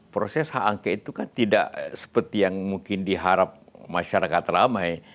proses hak angket itu kan tidak seperti yang mungkin diharap masyarakat ramai